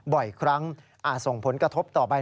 บ่อยครั้งอาจส่งผลกระทบต่อไป